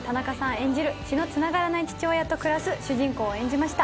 演じる血のつながらない父親と暮らす主人公を演じました。